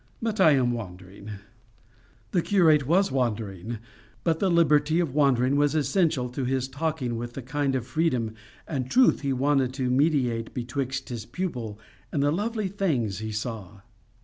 But I am wandering." The curate was wandering, but the liberty of wandering was essential to his talking with the kind of freedom and truth he wanted to mediate betwixt his pupil and the lovely things he saw.